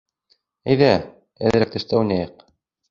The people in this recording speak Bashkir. Әйҙә, әҙерәк тышта уйнайыҡ.